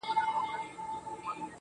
رويبار زموږ د منځ ټولو کيسو باندي خبر دی